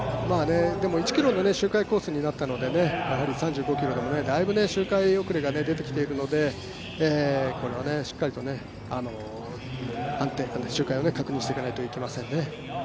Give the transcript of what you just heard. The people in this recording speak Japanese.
でも１ｋｍの周回コースになったのでやはり３５ｋｍでもだいぶ周回遅れが出てきているのでこれはしっかりと周回を確認していかないといけませんね。